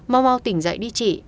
mau mau tỉnh dậy đi chị